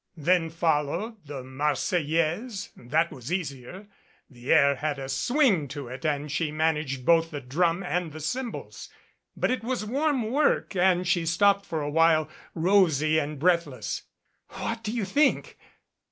Then followed "The Marseillaise." That was easier. The air had a swing to it, and she managed both the drum and the cymbals. But it was warm work and she stopped for a while, rosy and breathless. "What do you think?"